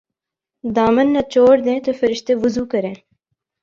دامن نچوڑ دیں تو فرشتے وضو کریں''